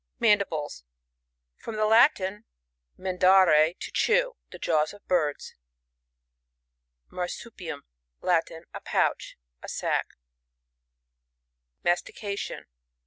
Mandibles. — From the Latin, man* dare, to chew. The jaws of birds^ MARsurmM. — Latin. A pouch, u sac. Mastication.